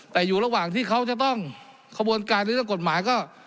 แต่อยู่ระหว่างที่เขาจะต้องขบวนการหรือเรื่องกฎหมายก็